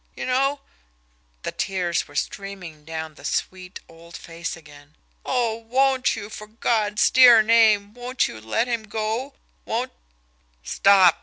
You know " The tears were streaming down the sweet, old face again. "Oh, won't you, for God's dear name, won't you let him go? Won't " "Stop!"